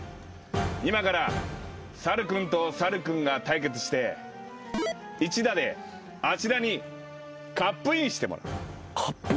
今から猿君と猿君が対決して１打であちらにカップインしてもらう。